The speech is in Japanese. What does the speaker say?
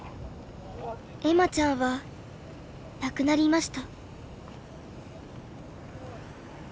恵麻ちゃんは亡くなりました。